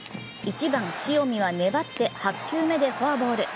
１番・塩見は粘って８球目でフォアボール。